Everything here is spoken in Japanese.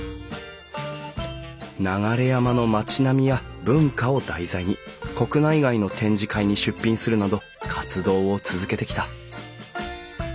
流山の町並みや文化を題材に国内外の展示会に出品するなど活動を続けてきた。